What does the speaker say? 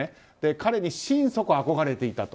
彼に心底、憧れていたと。